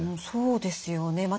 そうですよね。